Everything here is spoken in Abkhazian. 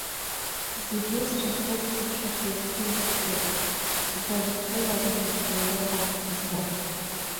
Зегьы срызхәыццыԥхьаӡа сгәы рыхшәоит, сгәы зхылараны ҳәа иҟоу акгьы збом.